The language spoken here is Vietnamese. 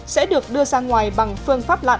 sẽ được đưa sang ngoài bằng phương pháp lặn